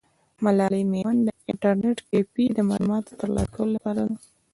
ملالۍ میوندي انټرنیټ کیفې د معلوماتو ترلاسه کولو لپاره ده.